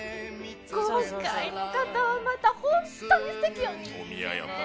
今回の方は、また本当にすてきよね。